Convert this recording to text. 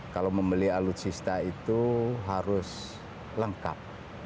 kalau membeli alutsista itu harus lengkap